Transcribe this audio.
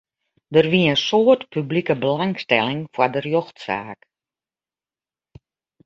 Der wie in soad publike belangstelling foar de rjochtsaak.